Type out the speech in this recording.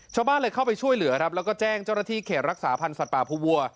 ชาวบ้านเลยเข้าไปช่วยเหลือครับแล้วก็แจ้งเจ้าหน้าที่เขตรักษาพันธ์สัตว์ป่าภูวัว